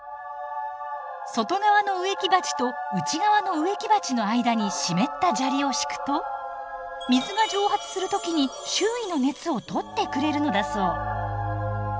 外側の植木鉢と内側の植木鉢の間に湿った砂利を敷くと水が蒸発する時に周囲の熱を取ってくれるのだそう。